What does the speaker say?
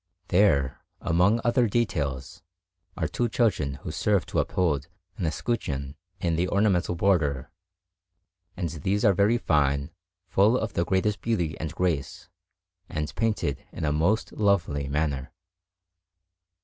There, among other details, are two children who serve to uphold an escutcheon in the ornamental border; and these are very fine, full of the greatest beauty and grace, and painted in a most lovely manner.